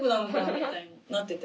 みたいになってた。